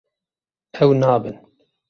Ew nabin.